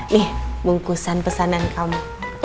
nih bungkusan pesanan kamu